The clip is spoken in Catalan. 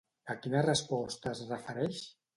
A quina resposta es refereix?